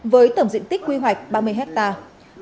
với tổng diện tích quy hoạch ba mươi hectare